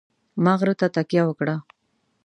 ما غره ته تکیه وکړه.